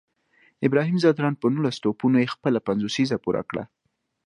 ابراهیم ځدراڼ په نولس توپونو یې خپله پنځوسیزه پوره کړه